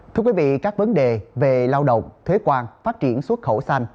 thưa quý vị các vấn đề về lao động thuế quan phát triển xuất khẩu xanh